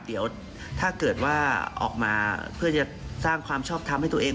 เดี๋ยวถ้าเกิดว่าออกมาเพื่อจะสร้างความชอบทำให้ตัวเอง